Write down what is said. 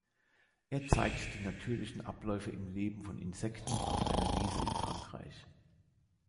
Er zeigt die natürlichen Abläufe im Leben von Insekten auf einer Wiese in Frankreich.